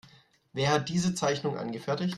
Wer hat diese Zeichnung angefertigt?